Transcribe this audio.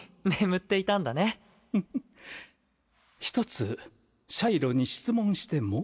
１つシャイロに質問しても？